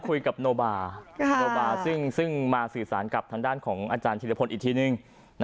โนบาโนบาซึ่งมาสื่อสารกับทางด้านของอาจารย์ธิรพลอีกทีนึง